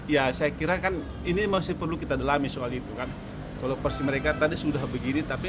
ya saya kira kan ini masih perlu kita dalami soal itu kan kalau porsi mereka tadi sudah begini tapi